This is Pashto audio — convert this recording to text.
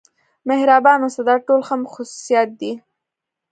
مهربان اوسه دا ټول ښه خصوصیات دي.